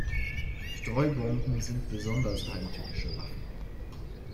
Streubomben sind besonders heimtückische Waffen.